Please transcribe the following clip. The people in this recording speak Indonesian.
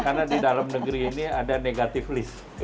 karena di dalam negeri ini ada negative list